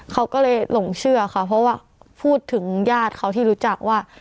เขาก็เลยหลงเชื่อค่ะเพราะว่าพูดถึงญาติเขาที่รู้จักว่า